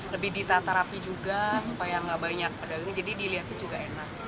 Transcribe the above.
lebih ditata rapi juga supaya nggak banyak pedagang jadi dilihatnya juga enak